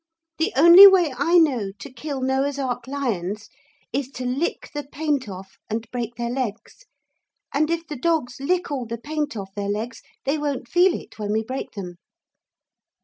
The only way I know to kill Noah's Ark lions is to lick the paint off and break their legs. And if the dogs lick all the paint off their legs they won't feel it when we break them.'